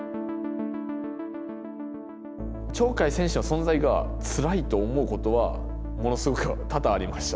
鳥海選手の存在がつらいと思うことはものすごく多々ありました